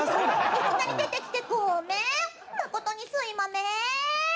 「いきなり出てきてごめん」「まことにすいまめん」